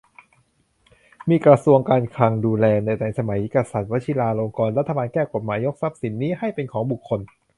มีกระทรวงการคลังดูแล แต่ในสมัยกษัตริย์วชิราลงกรณ์ รัฐบาลแก้กฎหมายยกทรัพย์สินนี้ให้เป็นของบุคคล